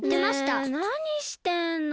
ねえなにしてんの？